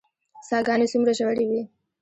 څاه ګانې څومره ژورې وي؟